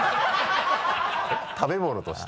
食べ物として？